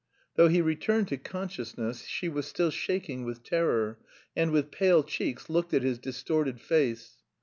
Though he returned to consciousness, she was still shaking with terror, and, with pale cheeks, looked at his distorted face.